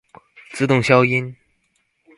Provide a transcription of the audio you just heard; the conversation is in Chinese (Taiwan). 自動消音